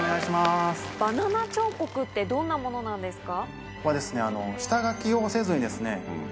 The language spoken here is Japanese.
バナナ彫刻ってどんなものなんですか？